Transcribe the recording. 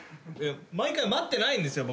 毎回待ってないんですよ